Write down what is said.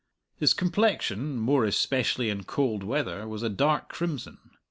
His complexion, more especially in cold weather, was a dark crimson.